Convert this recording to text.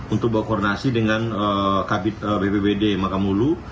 untuk berkoordinasi dengan kabupaten bpbd mahakam ulu